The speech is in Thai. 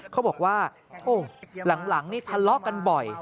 เขาบอกว่าโอ้หลังนี่ทะเลาะกันบ่อย